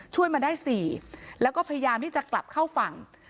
ช่วยมาได้๔แล้วก็พยายามที่จะกลับเข้าฝั่ง